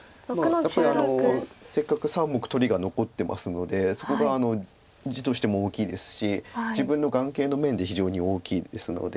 やっぱりせっかく３目取りが残ってますのでそこが地としても大きいですし自分の眼形の面で非常に大きいですので。